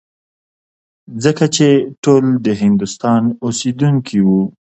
ځکه چې ټول د هندوستان اوسېدونکي وو.